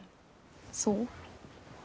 そう。